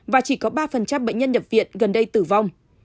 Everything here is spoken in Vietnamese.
và chỉ có ba bệnh nhân nhập viện gần đây tử vong